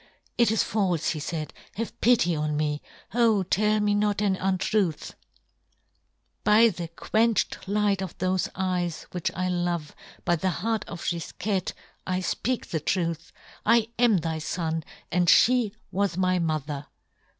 " It " is falfe," he faid ;" have pity on " me — O tell me not an untruth !"" By the quenched light of thofe " eyes, which I love, by the heart of " Gifquette, I fpeak the truth. I " am thy fon, and fhe was my " mother